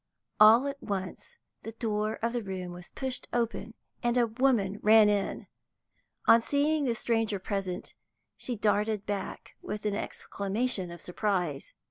All at once the door of the room was pushed open, and a woman ran in. On seeing the stranger present, she darted back with an exclamation of surprise.